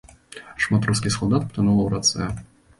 Шмат рускіх салдат патанула ў рацэ.